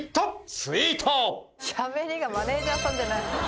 しゃべりがマネジャーさんじゃない。